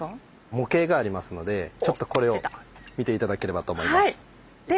模型がありますのでちょっとこれを見て頂ければと思います。